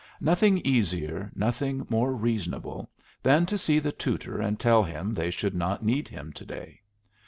Nothing easier, nothing more reasonable, than to see the tutor and tell him they should not need him to day.